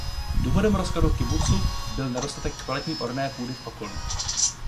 Důvodem rozkladu kibucu byl nedostatek kvalitní orné půdy v okolí.